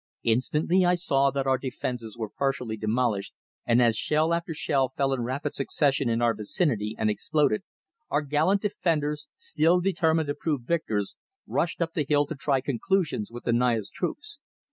Instantly I saw that our defences were partially demolished, and as shell after shell fell in rapid succession in our vicinity and exploded, our gallant defenders, still determined to prove victors, rushed up the hill to try conclusions with the Naya's troops.